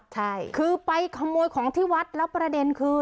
ใช่คือไปขโมยของที่วัดแล้วประเด็นคือ